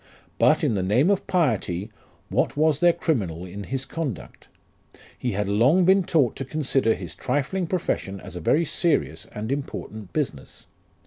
But, in the name of piety, what was there criminal in his conduct ? He had long been taught to consider his trifling profession as a very serious and important business.